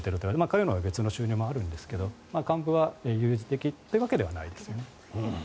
彼は別の収入もあるんですが幹部は悠々自適というわけでもないです。